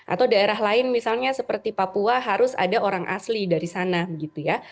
atau daerah lain misalnya seperti papua harus ada orang asli dari sana gitu ya